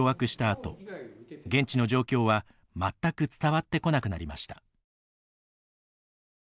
あと現地の状況は全く伝わってこなくなりました。